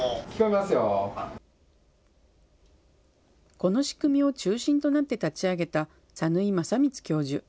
この仕組みを中心となって立ち上げた讃井將満教授。